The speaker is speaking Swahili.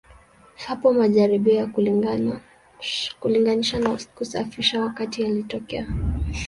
Hapo majaribio ya kulinganisha na kusafisha wakati yalitokea.